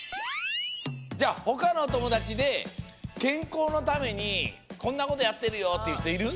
じゃあほかのおともだちでけんこうのためにこんなことやってるよっていうひといる？